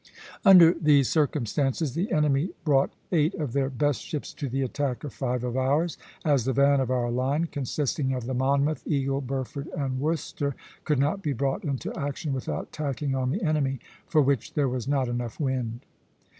Under these circumstances, the enemy brought eight of their best ships to the attack of five of ours, as the van of our line, consisting of the 'Monmouth,' 'Eagle,' 'Burford,' and 'Worcester,' could not be brought into action without tacking on the enemy," for which there was not enough wind.